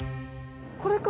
これか！